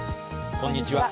こんにちは。